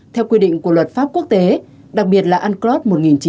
theo quy định của luật pháp quốc tế đặc biệt là unclos một nghìn chín trăm tám mươi hai